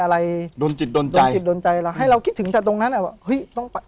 มีอะไรดนจิตจิตใจแล้วให้เราคิดถึงจากตรงนั้นอะว่าเฮ้ยท้องพร้อม